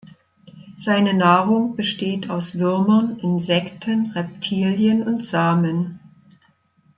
Seine Nahrung besteht aus Würmern, Insekten, Reptilien und Samen.